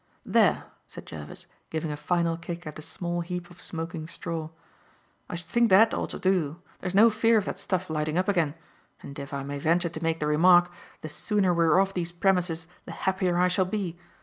"There," said Jervis, giving a final kick at a small heap of smoking straw, "I should think that ought to do. There's no fear of that stuff lighting up again. And, if I may venture to make the remark, the sooner we are off these premises the happier I shall be.